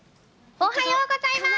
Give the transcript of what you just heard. おはようございます。